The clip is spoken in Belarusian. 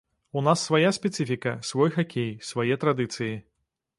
У нас свая спецыфіка, свой хакей, свае традыцыі.